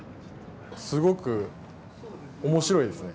すごくおもしろいですね。